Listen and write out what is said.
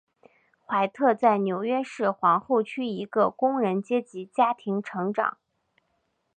怀特在纽约市皇后区一个工人阶级家庭成长。